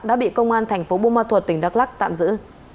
đã bị công an thành phố buôn ma thuật tỉnh đắk lắc tạm giữ